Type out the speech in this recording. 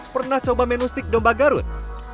pernah coba menu stik domba garut